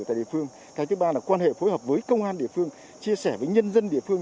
tại địa phương cái thứ ba là quan hệ phối hợp với công an địa phương chia sẻ với nhân dân địa phương